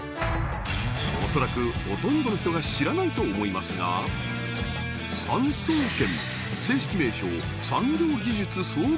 恐らくほとんどの人が知らないと思いますが正式名称